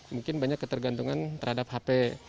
mungkin banyak ketergantungan terhadap hp